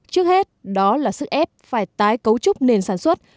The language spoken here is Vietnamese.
trước hết đó là sức ép phải tái cấu trúc nền sản xuất